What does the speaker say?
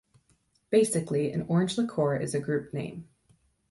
Basically, an Orange Liqueur is a group name.